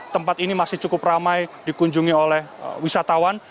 tempat ini masih cukup ramai dikunjungi oleh wisatawan